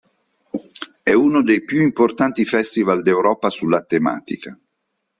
È uno dei più importanti festival d'Europa sulla tematica.